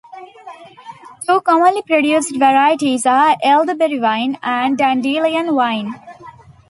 Two commonly produced varieties are elderberry wine and dandelion wine.